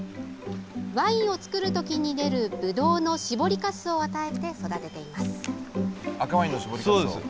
ワインを造る時に出るぶどうの搾りかすを与えて育てています。